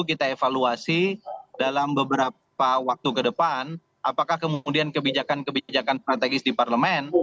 kita evaluasi dalam beberapa waktu ke depan apakah kemudian kebijakan kebijakan strategis di parlemen